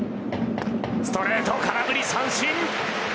ストレート空振り三振。